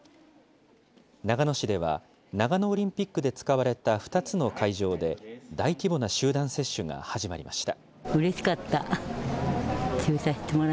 長野市では、長野オリンピックで使われた２つの会場で、大規模な集団接種が始まりました。